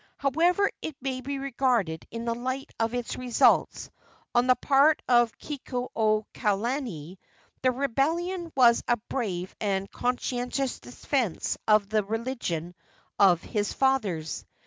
However it may be regarded in the light of its results, on the part of Kekuaokalani the rebellion was a brave and conscientious defence of the religion of his fathers.